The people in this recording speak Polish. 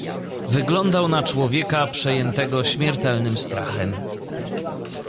"Wyglądał na człowieka, przejętego śmiertelnym strachem."